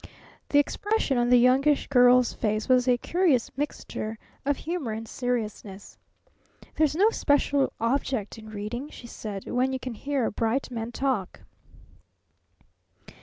The expression on the Youngish Girl's face was a curious mixture of humor and seriousness. "There's no special object in reading," she said, "when you can hear a bright man talk!"